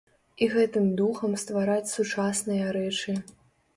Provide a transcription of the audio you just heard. І гэтым духам ствараць сучасныя рэчы.